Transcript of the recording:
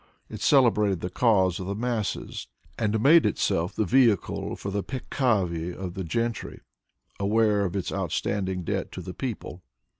It cele brated the cause of the masses, and made itself the vehicle for the peccavi of the gentry, aware of its outstanding debt to the people.